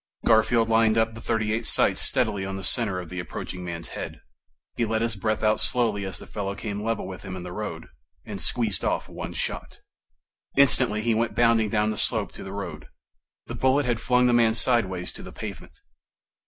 Garfield lined up the .38's sights steadily on the center of the approaching man's head. He let his breath out slowly as the fellow came level with him in the road and squeezed off one shot. Instantly he went bounding down the slope to the road. The bullet had flung the man sideways to the pavement.